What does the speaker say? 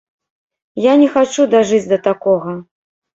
Я не хачу дажыць да такога.